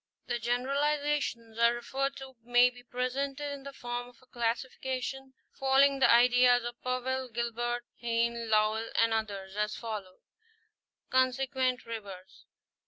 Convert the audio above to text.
The generalizations here referred to may be presented in the form of a classification, following the ideas of Powell, Gilbert, Heim, Léwl and others, as follows : Oonsequent rivers.